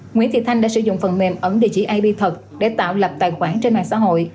nguyễn thị thanh đã sử dụng phần mềm ẩn địa chỉ ip thật để tạo lập tài khoản trên mạng xã hội